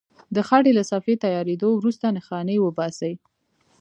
د خټې له صفحې تیارېدو وروسته نښانې وباسئ.